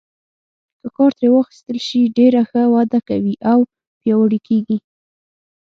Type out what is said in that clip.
که کار ترې واخیستل شي ډېره ښه وده کوي او پیاوړي کیږي.